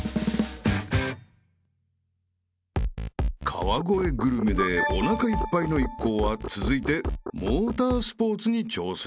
［川越グルメでおなかいっぱいの一行は続いてモータースポーツに挑戦］